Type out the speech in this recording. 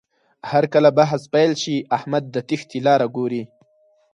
هرکله بحث پیل شي، احمد د تېښتې لاره ګوري.